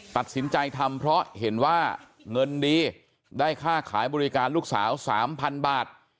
ตัดสินใจทำเพราะเห็นว่าเงินดีได้ค่าขายบริการลูกสาว๓๐๐๐บาท